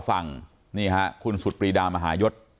ฟังนี่ฮะคุณสุดปรีดามหายศ